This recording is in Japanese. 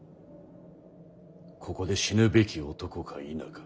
ここで死ぬべき男か否か。